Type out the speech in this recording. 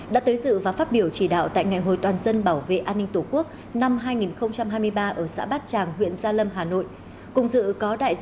đã tới dự và phát biểu chỉ đạo tại ngày hội toàn dân bảo vệ an ninh tổ quốc năm hai nghìn hai mươi ba ở xã bát tràng huyện gia lâm hà nội